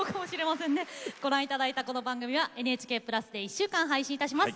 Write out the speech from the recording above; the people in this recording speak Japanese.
今日ご覧いただいたこの番組は、ＮＨＫプラスで１週間配信いたします。